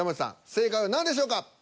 正解は何でしょうか。